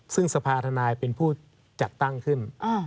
ซึ่งสภาธนายเป็นผู้จัดตั้งขึ้น